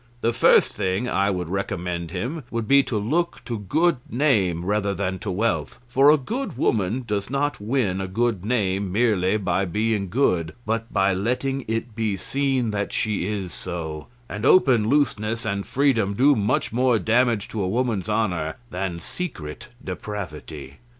The first thing I would recommend him, would be to look to good name rather than to wealth, for a good woman does not win a good name merely by being good, but by letting it be seen that she is so, and open looseness and freedom do much more damage to a woman's honour than secret depravity.